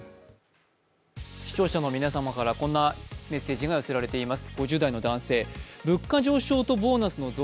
視聴者の皆様からこんなメッセージが寄せられています。